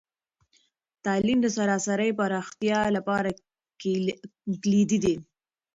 تعلیم د سراسري پراختیا لپاره کلیدي دی.